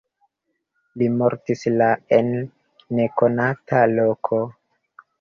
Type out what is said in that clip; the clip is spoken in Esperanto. Li mortis la en nekonata loko.